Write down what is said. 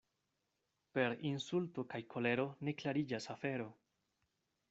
Per insulto kaj kolero ne klariĝas afero.